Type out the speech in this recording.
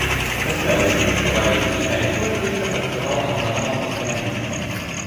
Пасля вайны, не хаваючы імя і прозвішча, працаваў аграномам-эканамістам.